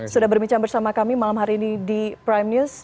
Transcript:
sudah berbincang bersama kami malam hari ini di prime news